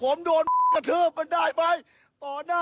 โอ้โหตะโกน